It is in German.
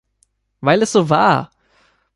Weil es so war.